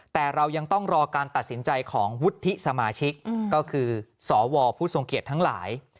แต่เรายังต้องรอการตัดสินใจของวุฒิสมาชิกก็คือสวผู้ทรงเกียจทั้งหลาย